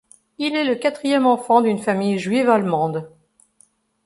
Il est le quatrième enfant d'une famille juive allemande.